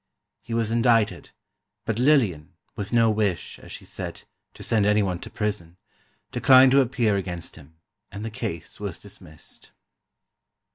He was indicted, but Lillian, with no wish, as she said, to send anyone to prison, declined to appear against him, and the case was dismissed.